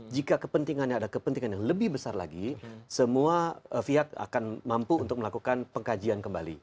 jika kepentingannya ada kepentingan yang lebih besar lagi semua pihak akan mampu untuk melakukan pengkajian kembali